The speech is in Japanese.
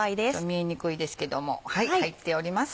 見えにくいですけども入っております。